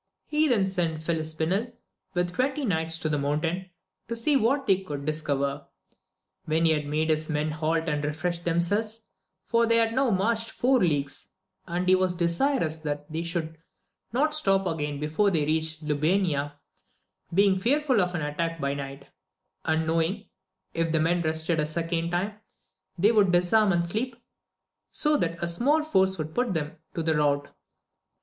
He then sent Filispinel with twenty knights to the mountain, to see what they could dis cover. Then he made his men halt and refresh them selves, for they had now marched four leagues, and he was desirous that they should not stop again before they reached Lubayna, being fearful of an attack by night ; and knowing, that if the men rested a second time, they would disarm and sleep, so that a small force would put them to the rout.